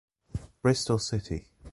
Bristol City